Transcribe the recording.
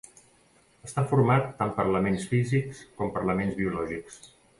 Està format tant per elements físics com per elements biològics.